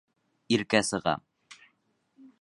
Иркә сыға.